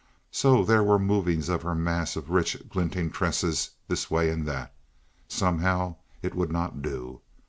So there were movings of her mass of rich glinting tresses this way and that. Somehow it would not do.